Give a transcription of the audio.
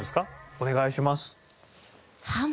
お願いします。